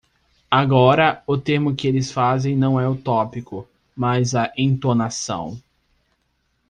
Agora, o termo que eles fazem não é o tópico, mas a "entonação".